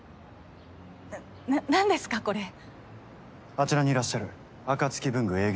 あちらにいらっしゃるアカツキ文具営業